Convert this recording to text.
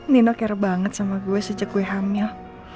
nino care banget sama gue sejak gue hamil